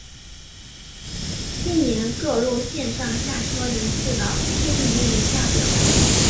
近年各路线上下车人次的推移如下表。